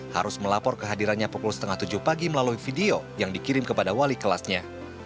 harus melapor kehadirannya pukul setengah tujuh pagi melalui video yang dikirim kepada wali kelasnya